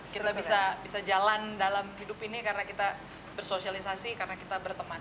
kita bisa jalan dalam hidup ini karena kita bersosialisasi karena kita berteman